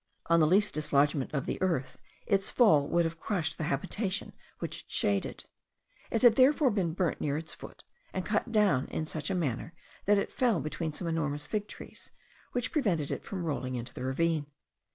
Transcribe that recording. On the least dislodgment of the earth, its fall would have crushed the habitation which it shaded: it had therefore been burnt near its foot, and cut down in such a manner, that it fell between some enormous fig trees, which prevented it from rolling into the ravine.